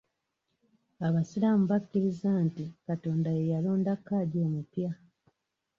Abasiraamu bakkiriza nti Katonda ye yalonda Kadhi omupya.